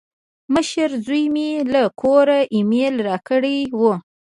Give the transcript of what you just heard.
مشر زوی مې له کوره ایمیل راکړی و.